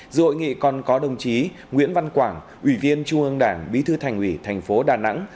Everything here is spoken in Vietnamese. dự hội nghị còn có đồng chí nguyễn văn quảng ủy viên trung ương đảng bí thư thành ủy thành phố đà nẵng